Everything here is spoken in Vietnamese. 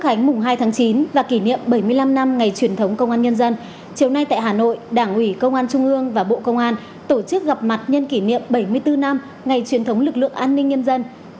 hãy đăng ký kênh để ủng hộ kênh của mình nhé